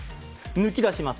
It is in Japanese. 抜き出します。